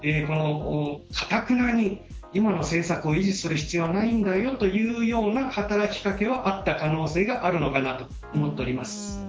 かたくなに今の政策を維持する必要はないんだよ、というような働き掛けはあった可能性があるのかなと思っております。